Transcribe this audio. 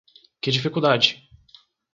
Que dificuldade?